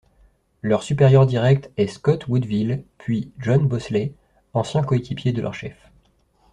Leur supérieur direct est Scott Woodville puis John Bosley, anciens coéquipiers de leur chef.